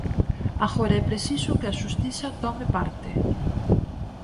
Agora é preciso que a xustiza tome parte.